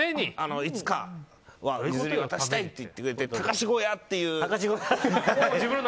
いつかは譲り渡したいって言ってくれて貴士小屋っていう。